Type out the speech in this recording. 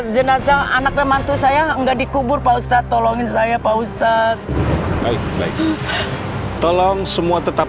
jenazah anak remantu saya enggak dikubur pak ustadz tolongin saya pak ustadz tolong semua tetap